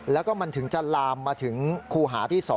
แล้วก็มันถึงจะลามมาถึงคู่หาที่๒